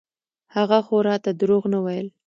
هغه خو راته دروغ نه ويل.